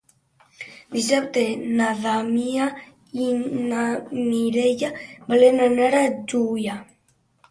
Dissabte na Damià i na Mireia volen anar a Juià.